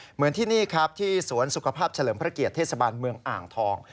เหมือนที่นี่ครับที่สวนสุขภาพเฉลิมพระเกียรติเทศบาลเมืองอ่างทอง